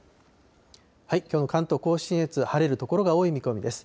きょうの関東甲信越、晴れる所が多い見込みです。